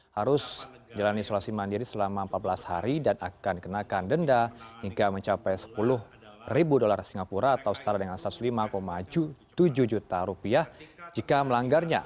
harus jalan isolasi mandiri selama empat belas hari dan akan dikenakan denda hingga mencapai sepuluh ribu dolar singapura atau setara dengan satu ratus lima tujuh juta rupiah jika melanggarnya